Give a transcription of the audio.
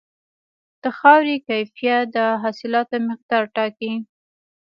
د خاورې کیفیت د حاصلاتو مقدار ټاکي.